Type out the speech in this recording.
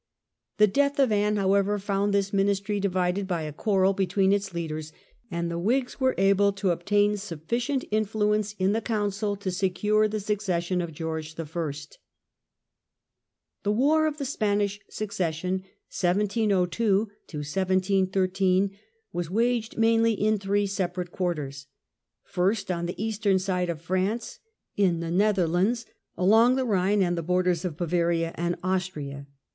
The death of Anne, however, found this ministry divided by a quarrel between its leaders, and the Whigs were able to obtain sufficient influence in the council to secure the succession of George I. The war of the Spanish succession (1702 17 13) was waged mainly in three separate quarters. First, on the eastern side of France, in the Netherlands, character ot along the Rhine and the borders of Bavaria »« ^ar. and Austria.